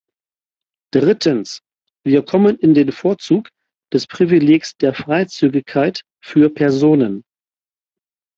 Drittens, wir kommen in den Vorzug des Privilegs der Freizügigkeit für Personen.